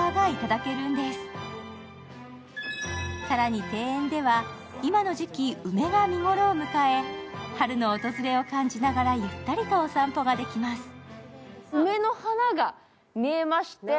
更に、庭園では今の時期、梅が見頃を迎え、春の訪れを感じながらゆったりとお散歩ができます。